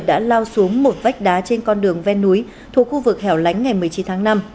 đã lao xuống một vách đá trên con đường ven núi thuộc khu vực hẻo lánh ngày một mươi chín tháng năm